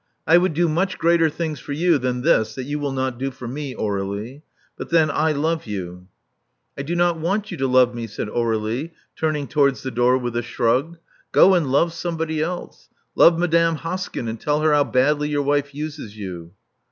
I would do much greater things for you than this that you will not do for me, Aurdlie. But then I love you. '• I do not want you to love me," said Aur^lie, tiirning towards the door with a shrug. Go and love somebody else. Love Madame Hoskyn; and tell her how badly your wife uses you."